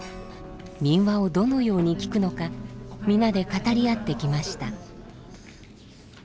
民話をどのようにきくのか皆で語り合ってきました。